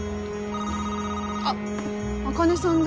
あっ茜さんだ